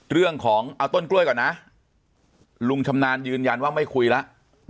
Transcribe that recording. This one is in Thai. เรื่องของเอาต้นกล้วยก่อนนะลุงชำนาญยืนยันว่าไม่คุยแล้ว